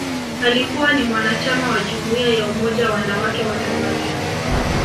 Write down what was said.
Alikuwa ni mwanachama wa Jumuiya ya Umoja Wanawake wa Tanzania